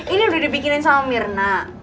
ini udah dibikinin sama mirna